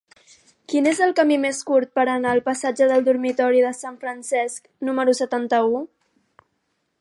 Quin és el camí més curt per anar al passatge del Dormitori de Sant Francesc número setanta-u?